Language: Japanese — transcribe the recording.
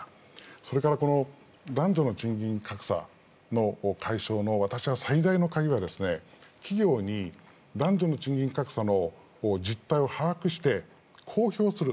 それから、男女の賃金格差の解消の、私は最大の鍵は企業に男女の賃金格差の実態を把握して、公表する。